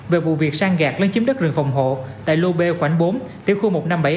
về vụ việc sang gạt lấn chiếm đất rừng phòng hộ tại lô b khoảnh bốn tiểu khu một trăm năm mươi bảy a